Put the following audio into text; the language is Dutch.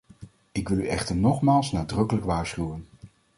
Ik wil u echter nogmaals nadrukkelijk waarschuwen.